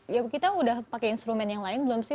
ya kita udah pakai instrumen yang lain belum sih